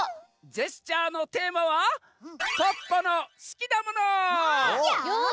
ジェスチャーのテーマはよし！